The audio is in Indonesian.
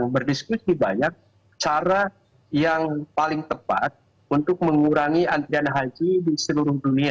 berdiskusi banyak cara yang paling tepat untuk mengurangi antrian haji di seluruh dunia